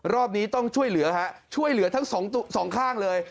รอบนี้ต้องช่วยเหลือฮะช่วยเหลือทั้งสองข้างเลย